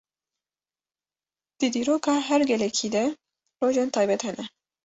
Di dîroka her gelekî de rojên taybet hene.